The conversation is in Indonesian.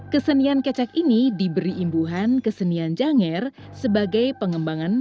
kesenian kecak ini diberi imbuhan kesenian janger sebagai pengembangan